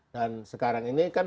dan sekarang ini kan